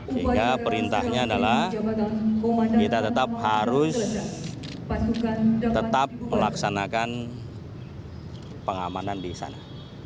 sehingga perintahnya adalah kita tetap harus tetap melaksanakan pengamanan di sana